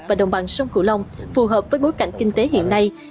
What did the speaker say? và đồng bằng sông cửu long phù hợp với bối cảnh kinh tế hiện nay